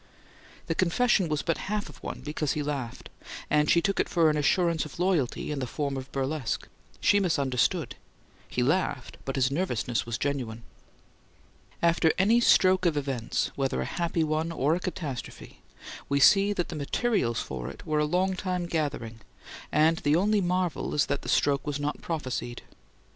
The confession was but half of one because he laughed; and she took it for an assurance of loyalty in the form of burlesque. She misunderstood: he laughed, but his nervousness was genuine. After any stroke of events, whether a happy one or a catastrophe, we see that the materials for it were a long time gathering, and the only marvel is that the stroke was not prophesied.